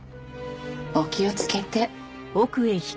お気をつけて。